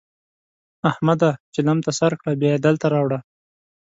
احمده! چلم ته سر کړه؛ بيا يې دلته راوړه.